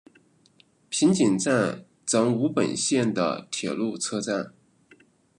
平井站总武本线的铁路车站。